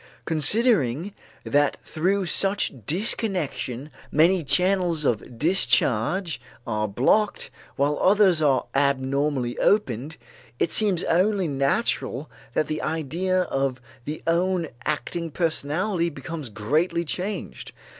Considering that through such disconnection many channels of discharge are blocked, while others are abnormally opened, it seems only natural that the idea of the own acting personality becomes greatly changed.